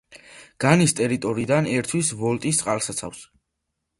განის ტერიტორიიდან ერთვის ვოლტის წყალსაცავს.